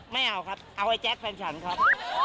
ไม่เอาครับเอาไอ้แจ๊คแฟนฉันครับ